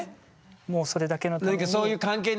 もうそれだけのために。